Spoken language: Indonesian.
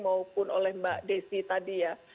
maupun oleh mbak desi tadi ya